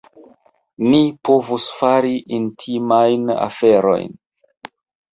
Ni povus fari intimajn aferojn.